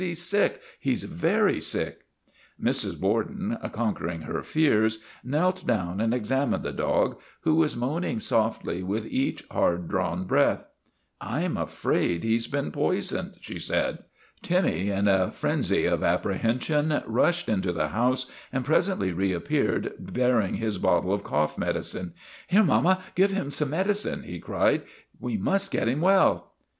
He 's sick; he's very sick." Mrs. Borden, conquering her fears, knelt down and examined the dog, who was moaning softly with each hard drawn breath. ' I 'm afraid he 's been poisoned," she said. Timmy, in a frenzy of apprehension, rushed into the house and presently reappeared bearing his bottle of cough medicine. ' Here, mama, give him some medicine," he cried. " We must get him well."